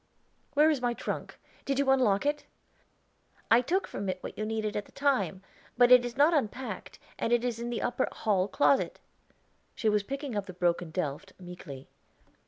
"Where is my trunk? Did you unlock it?" "I took from it what you needed at the time: but it is not unpacked, and it is in the upper hall closet." She was picking up the broken delf meekly.